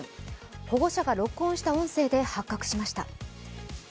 保護者が録音した音声で発覚しました。